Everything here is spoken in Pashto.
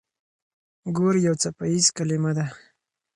ګور يو څپيز کلمه ده.